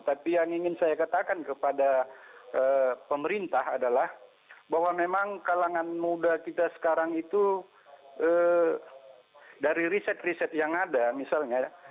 tapi yang ingin saya katakan kepada pemerintah adalah bahwa memang kalangan muda kita sekarang itu dari riset riset yang ada misalnya